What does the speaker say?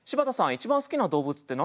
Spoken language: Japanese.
一番好きな動物って何ですか？